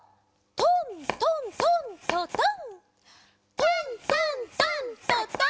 ・トントントントトン。